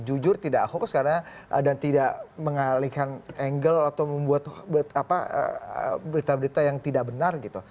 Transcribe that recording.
jujur tidak hoax karena dan tidak mengalihkan angle atau membuat berita berita yang tidak benar gitu